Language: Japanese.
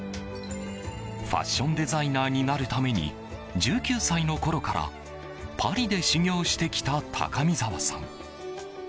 ファッションデザイナーになるために１９歳のころからパリで修行してきた高見澤さん。